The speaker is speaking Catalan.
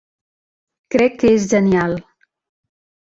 Crec que és genial.